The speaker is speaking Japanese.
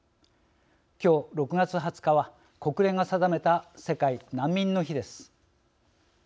今日６月２０日は国連が定めた世界難民の日です。